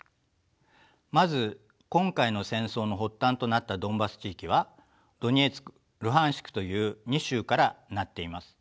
まず今回の戦争の発端となったドンバス地域はドネツクルハンシクという２州から成っています。